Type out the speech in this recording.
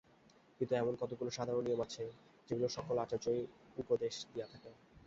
কিন্তু এমন কতকগুলি সাধারণ নিয়ম আছে, যেগুলি সকল আচার্যই উপদেশ দিয়া থাকেন।